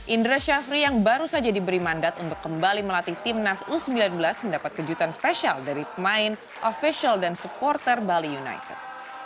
indra syafri yang baru saja diberi mandat untuk kembali melatih timnas u sembilan belas mendapat kejutan spesial dari pemain official dan supporter bali united